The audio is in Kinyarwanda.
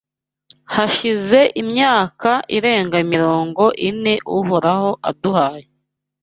Hashize imyaka irenga mirongo ine Uhoraho aduhaye